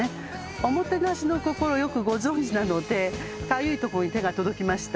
おもてなしの心よくご存じなのでかゆいところに手が届きました。